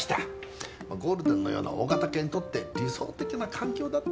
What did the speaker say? まあゴールデンのような大型犬にとって理想的な環境だったんですな。